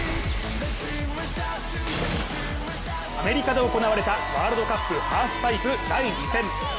アメリカで行われたワールドカップハーフパイプ第２戦。